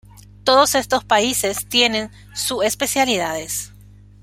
Todos estos países tienen su especialidades.